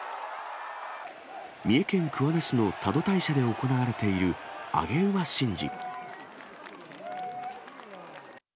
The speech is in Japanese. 三重県桑名市の多度大社で行われている上げ馬神事。